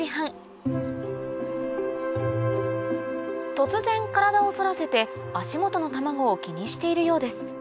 突然体を反らせて足元の卵を気にしているようです